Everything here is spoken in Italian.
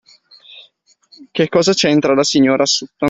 Che cosa c'entra la signorina Sutton?